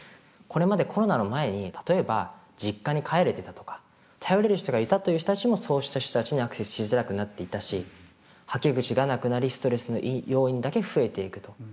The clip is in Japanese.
これまでコロナの前に例えば実家に帰れてたとか頼れる人がいたという人たちもそうした人たちにアクセスしづらくなっていたしはけ口がなくなりストレスの要因だけ増えていくと。